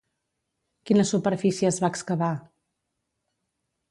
Quina superfície es va excavar?